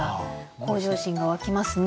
向上心が湧きますね。